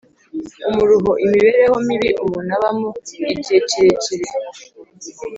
umuruho: imibereho mibi umuntu abamo igihe kirekire.